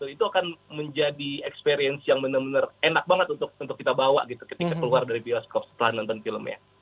itu akan menjadi experience yang benar benar enak banget untuk kita bawa gitu ketika keluar dari bioskop setelah nonton film ya